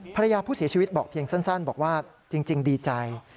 ภรรยาผู้เสียชีวิตบอกเพียงสั้นบอกว่าจริงดีใจ